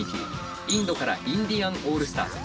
インドからインディアン・オールスターズ